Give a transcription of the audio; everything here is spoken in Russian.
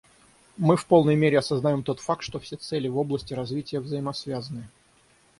Мы в полной мере осознаем тот факт, что все цели в области развития взаимосвязаны.